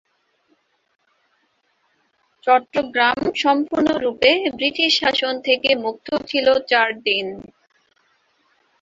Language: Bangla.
চট্টগ্রাম সম্পূর্ণরূপে ব্রিটিশ শাসন থেকে মুক্ত ছিল চার দিন।